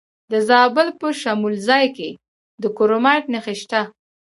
د زابل په شمولزای کې د کرومایټ نښې شته.